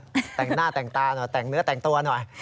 อ่านก็แตกหน้าแตกตาหน่อยแตกเนื้อแตกตัวหน่อย